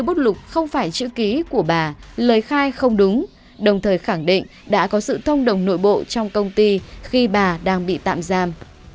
bút lục không phải chữ ký của bà lời khai không đúng đồng thời khẳng định đã có sự thông đồng nội bộ trong công ty khi bà đang bị tạm giam